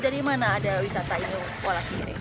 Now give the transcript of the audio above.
jadi dari mana ada wisatawan walakiri